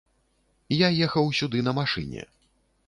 Я ехаў сюды на машыне.